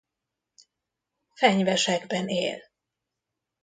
Fenyvesekben él.